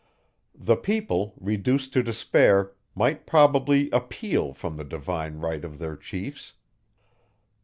The people, reduced to despair, might probably appeal from the divine right of their chiefs.